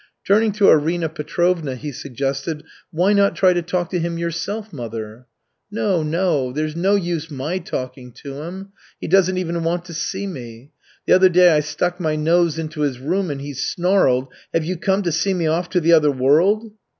Turning to Arina Petrovna, he suggested, "Why not try to talk to him yourself, mother?" "No, no. There's no use my talking to him. He doesn't even want to see me. The other day I stuck my nose into his room, and he snarled, 'Have you come to see me off to the other world?'"